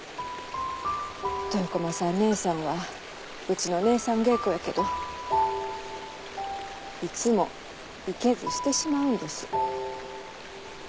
豊駒さん姉さんはうちの姉さん芸妓やけどいつもいけずしてしまうんです。